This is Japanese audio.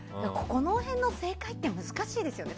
この辺りの正解って難しいですよね。